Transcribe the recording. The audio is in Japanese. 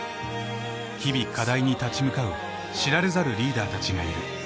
日々課題に立ち向かう知られざるリーダーたちがいる。